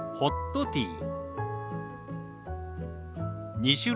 「ホットティー」。